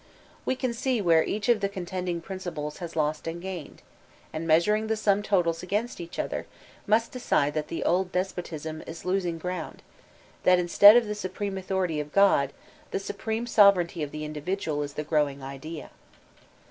^' We can see where each of the contend ing principles has lost and gained, and measuring the torn totals against each other, must decide that the old despotism is losing ground ; that instead of the supreme authority of God, the supreme sovereignty of the Indi vidual is the growing idea.